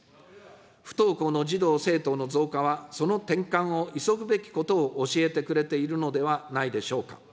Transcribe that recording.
不登校の児童・生徒の増加はその転換を急ぐべきことを教えてくれているのではないでしょうか。